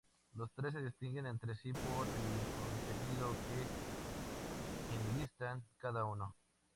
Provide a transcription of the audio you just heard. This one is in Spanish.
Los tres se distinguen entre sí por el contenido que enlistan cada uno.